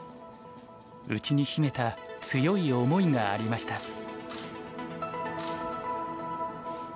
内に秘めた強い思いがありました。